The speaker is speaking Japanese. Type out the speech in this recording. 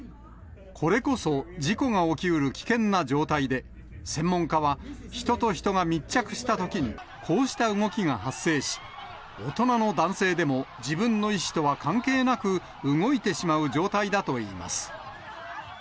これこそ事故が起きうる危険な状態で、専門家は、人と人が密着したときに、こうした動きが発生し、大人の男性でも自分の意思とは関係なく、動いてしまう状態だといいます。